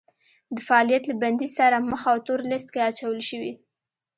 د فعالیت له بندیز سره مخ او تور لیست کې اچول شوي